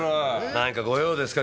何かご用ですか？